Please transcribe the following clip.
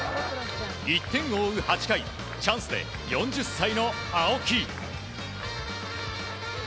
１点を追う８回チャンスで４０歳の青木。